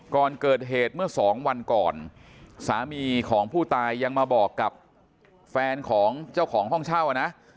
ก่อนเกิดเหตุเมื่อสองวันก่อนสามีของผู้ตายยังมาบอกกับแฟนของเจ้าของห้องเช่านะ